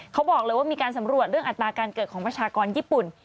เขาบอกเลยว่ามีการสำรวจเรื่องอัตราการเกิดของประชากรญี่ปุ่น